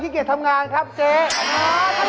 ขี้เกียจทำงานครับเจ๊ก็ไหมครับ